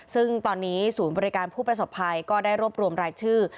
ซึ่งตอนนี้ศูนย์บริการผู้ประสบภัยก็ได้รวบรวมรายชื่อ